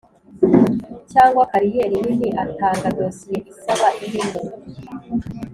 Cyangwa kariyeri nini atanga dosiye isaba irimo